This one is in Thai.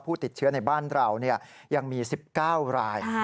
ผู้ติดเชื้อในบ้านเรายังมี๑๙ราย